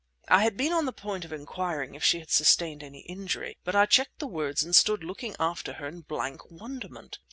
I had been on the point of inquiring if she had sustained any injury, but I checked the words and stood looking after her in blank wonderment.